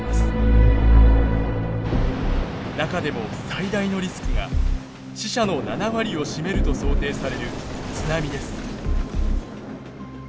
中でも最大のリスクが死者の７割を占めると想定される津波です。